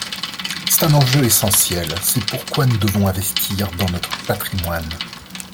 C’est un enjeu essentiel : c’est pourquoi nous devons investir dans notre patrimoine.